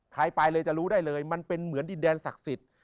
ใครไปเลยจะรู้ได้เลยมันเป็นเหมือนดินแดนศักดิ์สิทธิ์